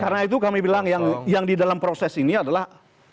karena itu kami bilang yang di dalam proses ini adalah